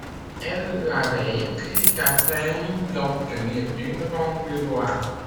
Elle l'avait écrite afin d'obtenir une rente du roi.